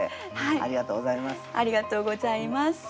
ありがとうございます。